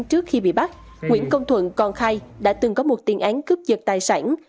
trước khi bị bắt nguyễn công thuận còn khai đã từng có một tiền án cướp giật tài sản